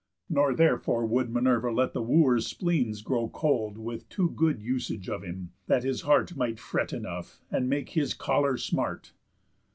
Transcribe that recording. Nor therefore would Minerva let the Wooers' spleens grow cold With too good usuage of him, that his heart Might fret enough, and make his choler smart.